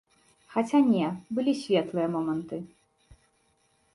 Хаця не, былі светлыя моманты.